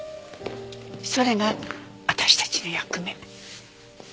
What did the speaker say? それが私たちの役目。